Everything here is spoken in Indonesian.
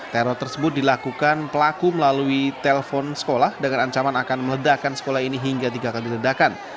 teror tersebut dilakukan pelaku melalui telpon sekolah dengan ancaman akan meledakan sekolah ini hingga tiga kali ledakan